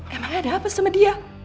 emang ada apa sama dia